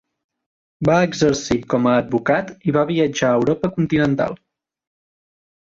Va exercir com a advocat i va viatjar a Europa continental.